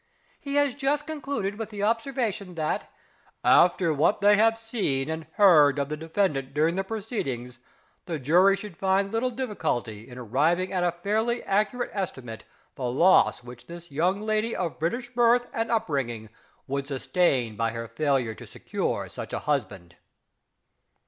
... He has just concluded with the observation that, "after what they have seen and heard of the defendant during the proceedings, the jury should find little difficulty in arriving at a fairly accurate estimate of the loss which a young lady of British birth and bringing up would sustain by her failure to secure such a husband."